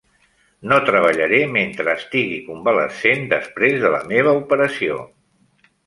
No treballaré mentre estigui convalescent després de la meva operació.